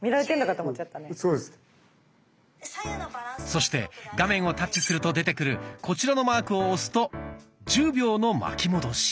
そして画面をタッチすると出てくるこちらのマークを押すと１０秒の巻き戻し。